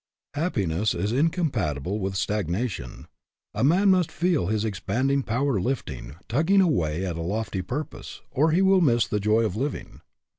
Happiness is incompatible with stagnation. A man must feel his expanding power lifting, tugging away at a lofty purpose, or he will miss the joy of living.